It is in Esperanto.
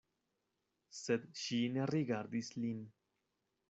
Sed ŝi ne rigardis lin.